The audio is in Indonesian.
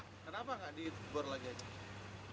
kenapa enggak dikebor lagi aja